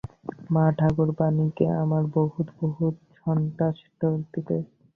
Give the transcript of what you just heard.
মা ঠাকুরাণীকে আমার বহুত বহুত সাষ্টাঙ্গ দিবে।